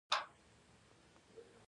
يا زيات حساس موډ کښې ساتي -